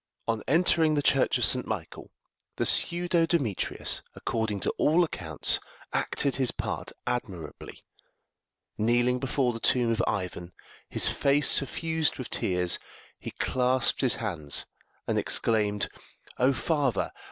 On entering the church of St. Michael, the pseudo Demetrius, according to all accounts, acted his part admirably; kneeling before the tomb of Ivan, his face suffused with tears, he clasped his hands and exclaimed, "O father!